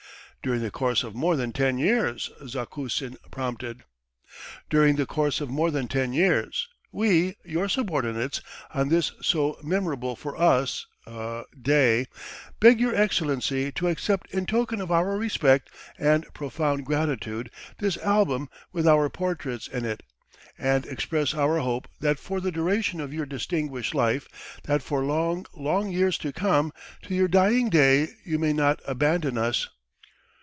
..." "During the course of more than ten years. .." Zakusin prompted. "During the course of more than ten years, we, your subordinates, on this so memorable for us ... er ... day, beg your Excellency to accept in token of our respect and profound gratitude this album with our portraits in it, and express our hope that for the duration of your distinguished life, that for long, long years to come, to your dying day you may not abandon us.